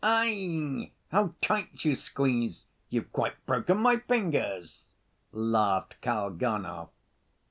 "Aie! How tight you squeeze! You've quite broken my fingers," laughed Kalganov.